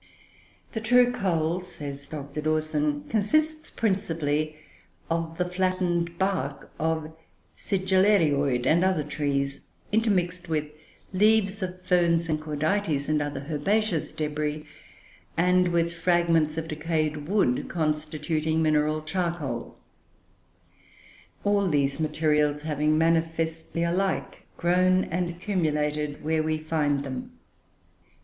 "The true coal," says Dr. Dawson, "consists principally of the flattened bark of Sigillarioid and other trees, intermixed with leaves of Ferns and Cordaites, and other herbaceous débris, and with fragments of decayed wood, constituting 'mineral charcoal,' all these materials having manifestly alike grown and accumulated where we find them."